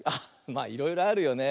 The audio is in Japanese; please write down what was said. まあいろいろあるよね。